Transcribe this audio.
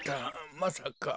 まさか。